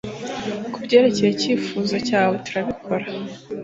Kubyerekeye icyifuzo cyawe turabikora